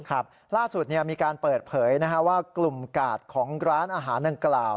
ครับล่าสุดมีการเปิดเผยว่ากลุ่มกาดของร้านอาหารดังกล่าว